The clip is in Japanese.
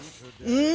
うん！